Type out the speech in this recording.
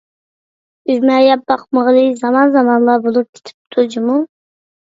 ئۈجمە يەپ باقمىغىلى زامان-زامانلار بولۇپ كېتىپتۇ جۇمۇ.